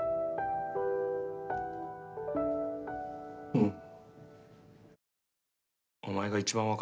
うん。